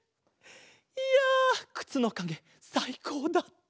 いやくつのかげさいこうだった！